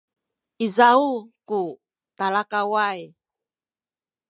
izaw ku talakaway